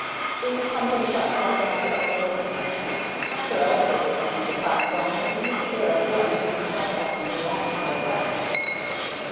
"Will you come to the platform, Dr. Eltwood?" Dr. Eltwood came to the platform with the easy air of one to whom platforms belonged by right.